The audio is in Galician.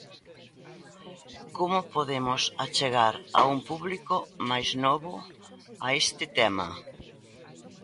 Como podemos achegar a un público máis novo a este tema?